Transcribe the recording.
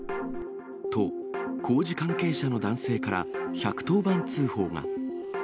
と、工事関係者の男性から１１０番通報が。